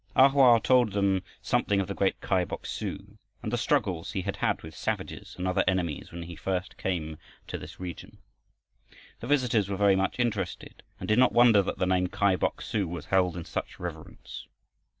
A Hoa told them something of the great Kai Bok su and the struggles he had had with savages and other enemies, when he first came to this region. The visitors were very much interested and did not wonder that the name "Kai Bok su" was held in such reverence.